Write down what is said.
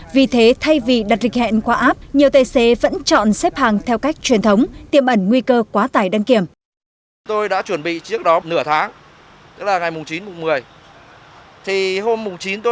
vì thế thay vì đặt lịch hẹn qua app nhiều tài xế vẫn chọn xếp hàng theo cách truyền thống tiêm ẩn nguy cơ quá tải đăng kiểm